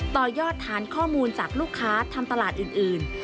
ต่อยอดฐานข้อมูลจากลูกค้าทำตลาดอื่น